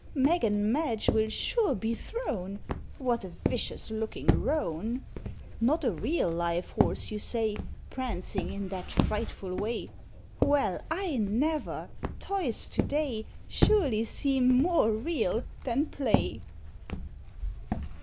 Meg and Madge will sure be thrown. What a vicious looking roan! Not a real live horse you say, Prancing in that frightful way? Well, I never! Toys to day Surely seem more "real" than "play."